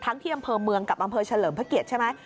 ที่อำเภอเมืองกับอำเภอเฉลิมพระเกียรติใช่ไหม